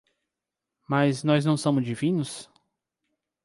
Mas nós não somos divinos?